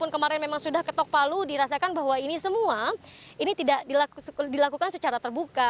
kemarin memang sudah ketok palu dirasakan bahwa ini semua ini tidak dilakukan secara terbuka